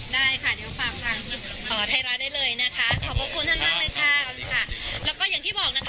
ได้ค่ะเดี๋ยวฝากทางไทยรัฐได้เลยนะคะ